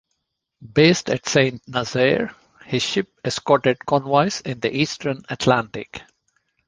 Based at Saint Nazaire, his ship escorted convoys in the eastern Atlantic.